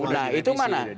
nah itu mana